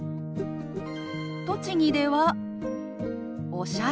栃木では「おしゃれ」。